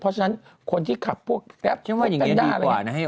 เพราะฉะนั้นคนที่ขับพวกแกรปริแพนด้าอะไรอย่างนี้